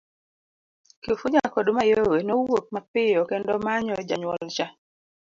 Kifuja kod Mayowe nowuok mapiyo kendo manyo janyuol cha.